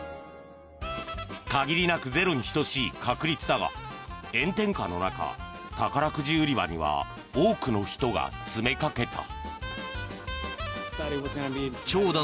限りなくゼロに等しい確率だが炎天下の中、宝くじ売り場には多くの人が詰めかけた。